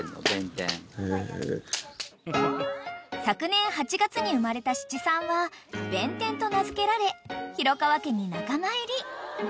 ［昨年８月に生まれた七三はべんてんと名付けられ廣川家に仲間入り］